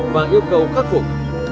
và yêu cầu khắc phục